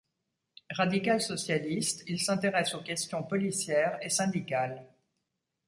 Radical-socialiste, il s'intéresse aux questions policières et syndicales.